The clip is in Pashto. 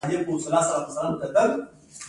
هغه چا کیسه کوي.